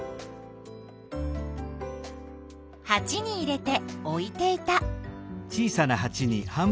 はちに入れて置いていた。